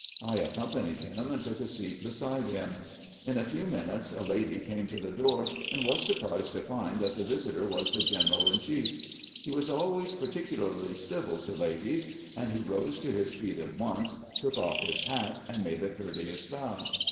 I accompanied him, and took a seat beside him. In a few minutes a lady came to the door, and was surprised to find that the visitor was the gen eral in chief . He was always particularly civil to ladies, and he rose to his feet at once, took off his hat, and made a courteous bow.